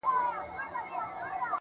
ددغه خلگو په كار، كار مه لره.